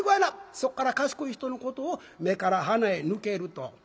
そっから賢い人のことを「目から鼻へ抜ける」と。